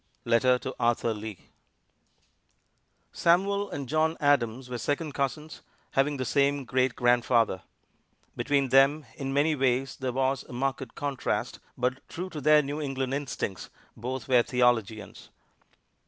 Letter to Arthur Lee [Illustration: SAMUEL ADAMS] Samuel and John Adams were second cousins, having the same great grandfather. Between them in many ways there was a marked contrast, but true to their New England instincts both were theologians.